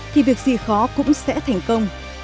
thì việc gì khó cũng sẽ thành công